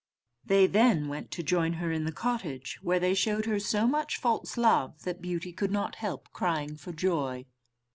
They then went to join her in the cottage, where they showed her so much false love, that Beauty could not help crying for joy.